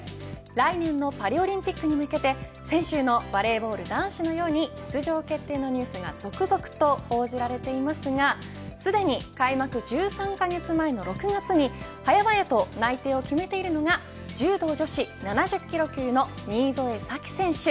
来年のパリオリンピックに向けて先週のバレーボール男子のように出場決定のニュースが続々と報じられていますがすでに開幕１３カ月前の６月に早々と内定を決めているのが柔道女子７０キロ級の新添左季選手。